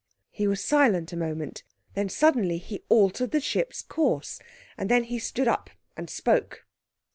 He was silent a moment, then suddenly he altered the ship's course, and then he stood up and spoke.